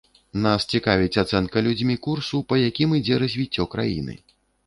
Нас цікавіць ацэнка людзьмі курсу, па якім ідзе развіццё краіны.